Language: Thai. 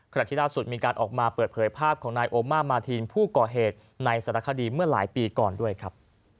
ขณะที่ล่าสุดมีการออกมาเปิดเผยภาพของนายโอมามาทีนผู้ก่อเหตุในสารคดีเมื่อหลายปีก่อนด้วยครับ